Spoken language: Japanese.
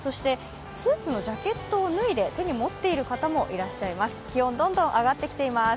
スーツのジャケットを脱いで手に持っている方もいます。